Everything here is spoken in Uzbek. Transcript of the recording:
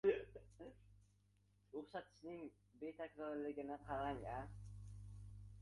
O`xshatishning betakrorligini qarang-a